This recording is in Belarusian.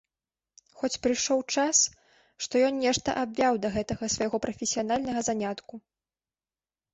Хоць прыйшоў час, што ён нешта абвяў да гэтага свайго прафесіянальнага занятку.